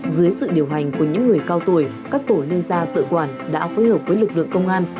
dưới sự điều hành của những người cao tuổi các tổ liên gia tự quản đã phối hợp với lực lượng công an